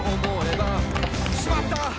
「しまった！